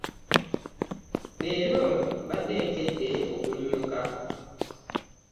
Leero mbadde nkedde okunnyuka.